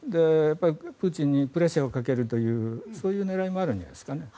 プーチンにプレッシャーをかけるという狙いもあるんじゃないですかね。